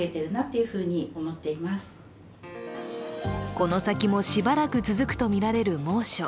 この先も、しばらく続くとみられる猛暑。